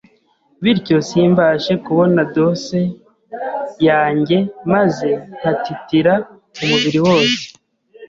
bityo simbashe kubona dose yanjye maze nkatitira umubiri wose.